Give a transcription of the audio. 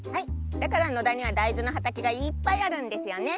だからのだにはだいずのはたけがいっぱいあるんですよね。